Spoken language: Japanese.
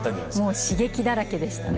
もう刺激だらけでしたね